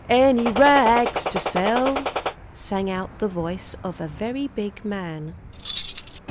"Any ra ags to sell?" sang out the voice of a very big man.